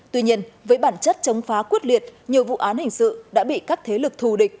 tuy nhiên với bản chất chống phá quyết liệt nhiều vụ án hình sự đã bị các thế lực thù địch